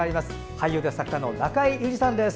俳優で作家の中江有里さんです。